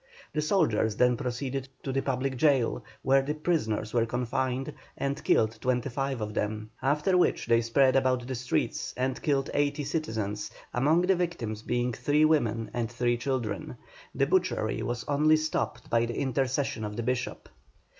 The soldiers then proceeded to the public gaol, where the prisoners were confined, and killed twenty five of them; after which they spread about the streets, and killed eighty citizens, among the victims being three women and three children. The butchery was only stopped by the intercession of the Bishop.